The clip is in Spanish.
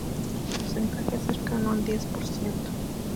Siendo su porcentaje cercano al diez por ciento